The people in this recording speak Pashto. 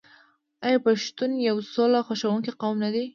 آیا پښتون یو سوله خوښوونکی قوم نه دی؟